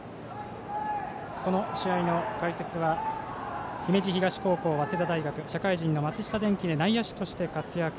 この試合の解説は姫路東高校早稲田大学社会人の松下電器で内野手として活躍。